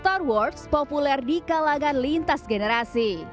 star wars populer di kalangan lintas generasi